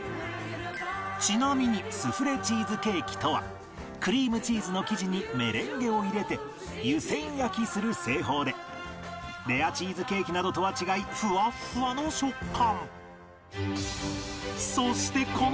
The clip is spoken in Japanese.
ちなみにスフレチーズケーキとはクリームチーズの生地にメレンゲを入れて湯せん焼きする製法でレアチーズケーキなどとは違いふわっふわの食感